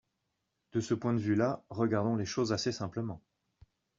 De ce point de vue-là, regardons les choses assez simplement.